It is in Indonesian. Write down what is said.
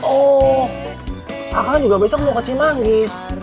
oh akang juga besok mau ke cimanggis